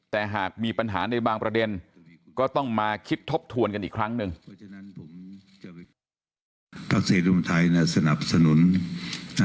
แต่หากมีปัญหาในบางประเด็นก็ต้องมาคิดทบทวนกันอีกครั้งหนึ่ง